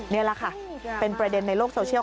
นี่แหละค่ะเป็นประเด็นในโลกโซเชียล